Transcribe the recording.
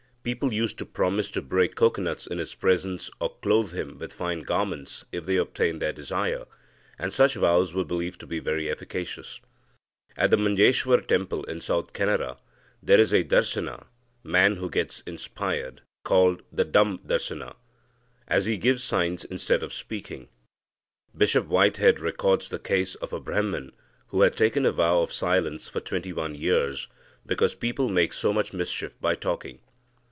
People used to promise to break cocoanuts in his presence, or clothe him with fine garments, if they obtained their desire, and such vows were believed to be very efficacious.' At the Manjeshwar Temple in South Canara, there is a Darsana, (man who gets inspired) called the dumb Darsana, as he gives signs instead of speaking. Bishop Whitehead records the case of a Brahman, who had taken a vow of silence for twenty one years, because people make so much mischief by talking.